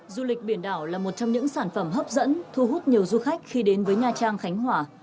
du lịch biển đảo là một trong những sản phẩm hấp dẫn thu hút nhiều du khách khi đến với nha trang khánh hòa